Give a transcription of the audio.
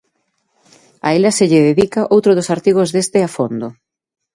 A ela se lle dedica outro dos artigos deste "A Fondo".